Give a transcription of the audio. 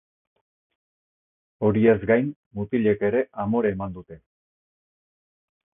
Horiez gain, mutilek ere amore eman dute.